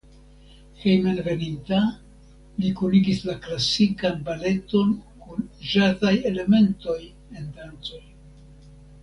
Hejmenveninta li kunigis la klasikan baleton kun ĵazaj elementoj en dancoj.